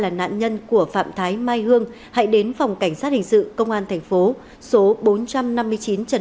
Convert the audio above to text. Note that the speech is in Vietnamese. là nạn nhân của phạm thái mai hương hãy đến phòng cảnh sát hình sự công an thành phố số bốn trăm năm mươi chín trần